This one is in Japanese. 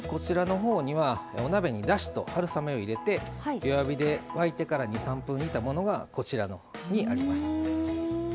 お鍋に、だしと春雨を入れて弱火で沸いてから２３分、煮たものがこちらにあります。